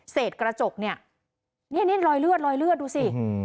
เศษกระจกนี่นี่ลอยเลือดดูสิ